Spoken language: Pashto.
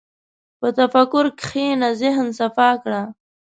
په تفکر کښېنه، ذهن صفا کړه.